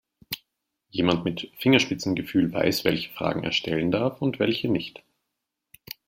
Jemand mit Fingerspitzengefühl weiß, welche Fragen er stellen darf und welche nicht.